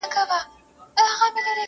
زما له غیږي څخه ولاړې اسمانې سولې جانانه؛